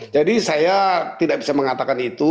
saya tidak bisa mengatakan itu